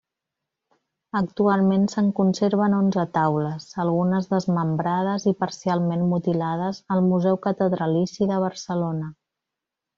Actualment se'n conserven onze taules, algunes desmembrades i parcialment mutilades, al Museu Catedralici de Barcelona.